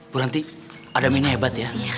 bu ranti adam ini hebat ya